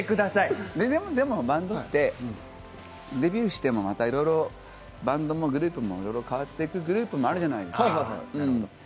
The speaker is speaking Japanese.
でもバンドってデビューしてもまた、いろいろバンドもグループもいろいろ変わっていくグループもあるじゃないですか。